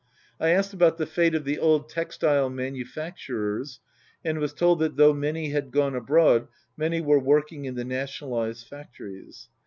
I asked about the fate of the old textile manu facturers and was told that though many had gone abroad many were working in the nationalized factories.